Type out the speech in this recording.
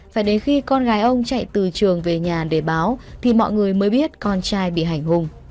phải đến khi con gái ông chạy từ trường về nhà để báo thì mọi người mới biết con trai bị hành hùng